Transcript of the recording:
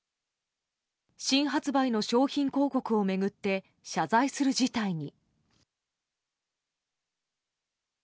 新発売の商品広告を巡って謝罪する事態に。